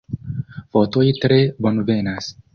Fotoj tre bonvenas.